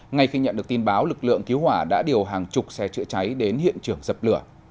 ngay khi nhận được tin báo lực lượng cứu hỏa đã điều hàng chục xe chữa cháy đến hiện trường dập lửa